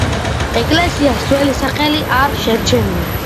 ეკლესიას ძველი სახელი არ შერჩენია.